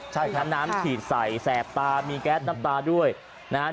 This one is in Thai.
ใช่ครับน้ำฉีดใส่แสบตามีแก๊สน้ำตาด้วยนะฮะ